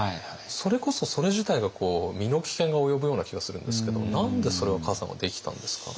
それこそそれ自体が身の危険が及ぶような気がするんですけど何でそれを崋山はできたんですか？